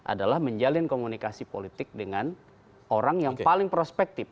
adalah menjalin komunikasi politik dengan orang yang paling prospektif